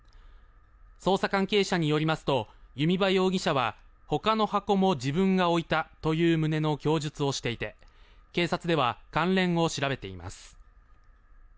捜査関係者によりますと弓場容疑者はほかの箱も自分が置いたという旨の供述をしていて警察では関連を調べています。